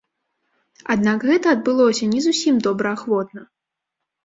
Аднак гэта адбылося не зусім добраахвотна.